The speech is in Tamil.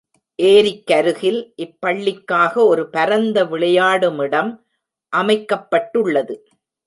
ஏரிக்கருகில், இப்பள்ளிக்காக ஒரு பரந்த விளையாடுமிடம் அமைக்கப்பட்டுள்ளது.